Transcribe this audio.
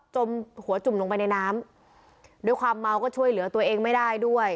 หัวจุ่มลงไปในน้ำด้วยความเมาก็ช่วยเหลือตัวเองไม่ได้ด้วย